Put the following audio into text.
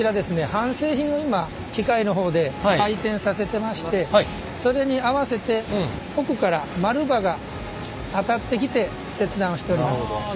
半製品を今機械の方で回転させてましてそれに合わせて奥から丸刃が当たってきて切断しております。